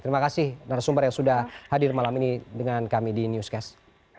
terima kasih narasumber yang sudah hadir malam ini dengan kami di newscast